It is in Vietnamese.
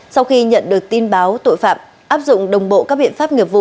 sau khi nhận được tin báo tội phạm áp dụng đồng bộ các biện pháp